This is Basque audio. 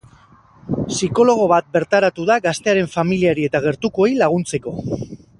Psikologo bat bertaratu da gaztearen familiari eta gertukoei laguntzeko.